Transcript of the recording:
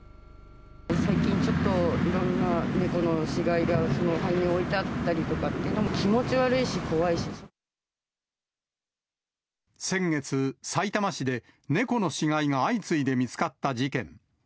最近、ちょっといろんな猫の死骸が、その辺に置いてあったりとかっていうのも、気持ち悪いし、先月、さいたま市で猫の死骸が相次いで見つかった事件。